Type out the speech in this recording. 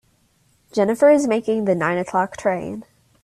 Jennifer is making the nine o'clock train.